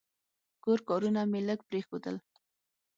کور کارونه مې لږ پرېښودل.